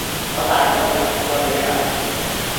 我大吉利是過你呀!